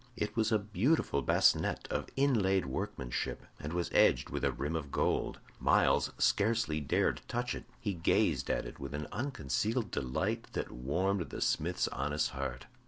It was a beautiful bascinet of inlaid workmanship, and was edged with a rim of gold. Myles scarcely dared touch it; he gazed at it with an unconcealed delight that warmed the smith's honest heart.